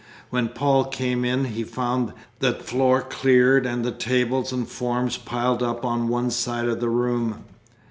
When Paul came in he found the floor cleared and the tables and forms piled up on one side of the room.